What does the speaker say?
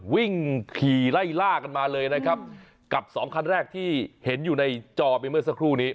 วิ่งขี่ไล่ล่ากันมาเลยนะครับกับสองคันแรกที่เห็นอยู่ในจอไปเมื่อสักครู่นี้